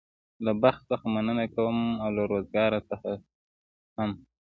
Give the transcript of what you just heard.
له بخت څخه مننه کوم او له روزګار څخه هم.